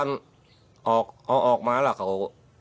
ก็แค่เรียกสาวนะครับ